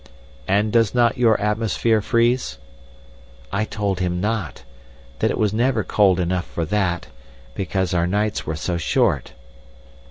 "'And does not your atmosphere freeze?' "I told him not; that it was never cold enough for that, because our nights were so short.